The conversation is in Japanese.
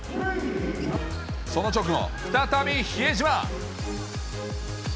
その直後、再び比江島。